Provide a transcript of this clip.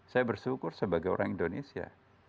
saya bersyukur sebagai orang indonesia